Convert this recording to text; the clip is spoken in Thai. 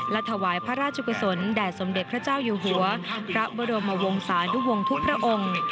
และถวายพระราชกุศลแด่สมเด็จพระเจ้าอยู่หัวพระบรมวงศานุวงศ์ทุกพระองค์